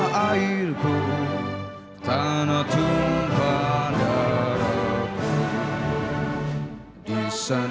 pemirsa dan hadirin sekalian